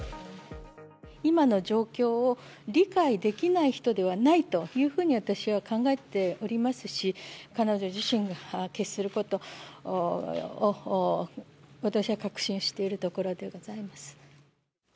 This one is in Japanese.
今の状況を理解できない人ではないというふうに、私は考えておりますし、彼女自身が決することを、私は確信しているところでございます。